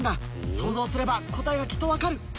ソウゾウすれば答えがきっと分かる！